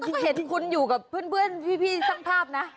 คุณเห็นคุณอยู่กับเพื่อนพี่ช่างภาพนะ